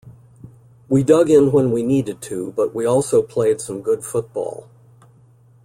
We dug in when we needed to but we also played some good football.